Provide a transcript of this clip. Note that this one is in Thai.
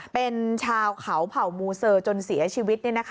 เป็นชาวเขาเผ่ามูเซอร์จนเสียชีวิต